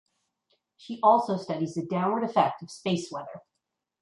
She also studies the downward effect of space weather.